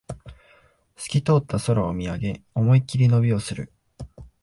すき通った空を見上げ、思いっきり伸びをする